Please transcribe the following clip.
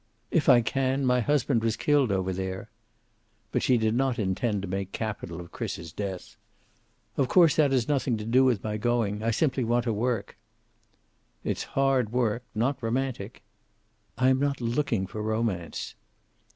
"If I can. My husband was killed over there." But she did not intend to make capital of Chris's death. "Of course, that has nothing to do with my going. I simply want to work." "It's hard work. Not romantic." "I am not looking for romance."